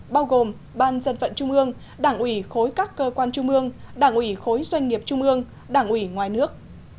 bao gồm ban dân vận trung ương đảng ủy khối các cơ quan trung ương đảng ủy khối doanh nghiệp trung ương đảng ủy ngoài nước